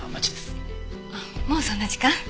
もうそんな時間？